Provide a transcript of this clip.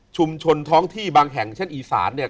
ท้องที่บางแห่งเช่นอีสานเนี่ย